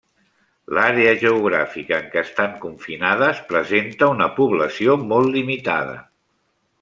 L'àrea geogràfica en què estan confinades presenta una població molt limitada.